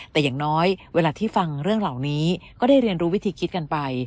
แต่อย่างน้อยเวลาที่ฟังเรื่องเหล่านี้ก็ได้เรียนรู้วิธีคิดกันไป